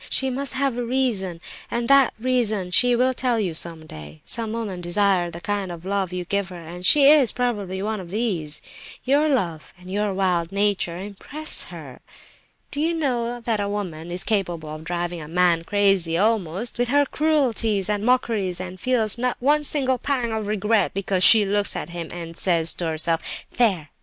She must have a reason, and that reason she will tell you some day. Some women desire the kind of love you give her, and she is probably one of these. Your love and your wild nature impress her. Do you know that a woman is capable of driving a man crazy almost, with her cruelties and mockeries, and feels not one single pang of regret, because she looks at him and says to herself, 'There!